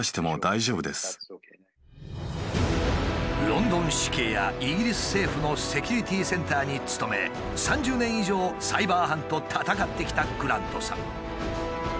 ロンドン市警やイギリス政府のセキュリティーセンターに勤め３０年以上サイバー犯と戦ってきたグラントさん。